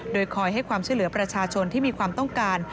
โดยคอยให้ความช่วยเหลือประชาชนที่มีความต้องการ